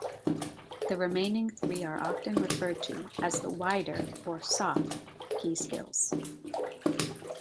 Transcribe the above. The remaining three are often referred to as the 'wider' or 'soft' Key Skills.